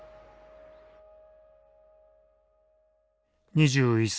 ２１歳。